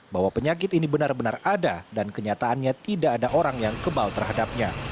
bahwa penyakit ini benar benar ada dan kenyataannya tidak ada orang yang kebal terhadapnya